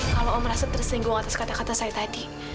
kalau om merasa tersinggung atas kata kata saya tadi